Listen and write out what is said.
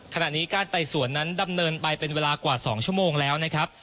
ขณะนี้การไต่สวนนั้นดำเนินไปเป็นเวลากว่า๒ชั่วโมงแล้วนะครับ